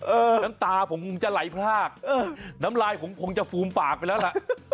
น้ำตาผมคงจะไหลพลากน้ำลายผมคงจะฟูมปากไปแล้วล่ะ